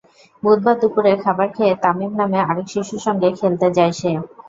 বুধবার দুপুরে খাবার খেয়ে তামিম নামে আরেক শিশুর সঙ্গে খেলতে যায় সে।